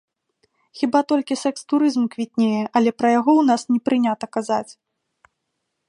Хіба толькі сэкс-турызм квітнее, але пра яго ў нас не прынята казаць.